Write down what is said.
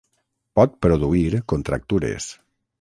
Pot produir contractures.